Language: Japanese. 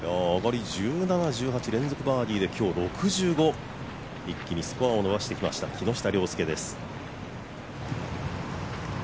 １７、１８連続バーディーで今日６５一気にスコアを伸ばしてきました、木下稜介です。